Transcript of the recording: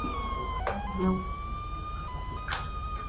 Զազունյանի համբերությունն անցավ սահմանը: